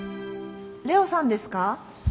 怜央さんですか？